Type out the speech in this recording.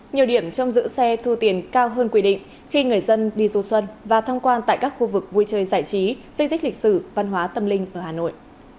nhiều điểm trong giữ xe thu tiền cao hơn quy định khi người dân đi du xuân và thăm quan tại các khu vực vui chơi giải trí di tích lịch sử văn hóa tâm linh ở hà nội